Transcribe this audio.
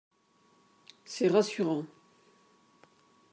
C’est rassurant